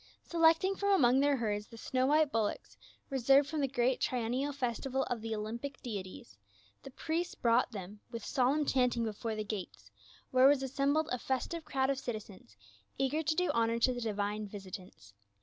Selecting from among their herds the snow white bullocks, reserved for the great triennial festival of the 01\ mpic deities, the priests brought them with solemn chanting before the gates, where was assembled a fes tive crowd of citizens, eager to do honor to the di\"ine visitants.